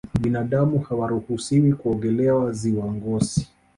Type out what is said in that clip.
binadamu hawaruhusiwi kuogelea ziwa ngosi